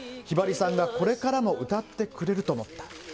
ひばりさんがこれからも歌ってくれると思った。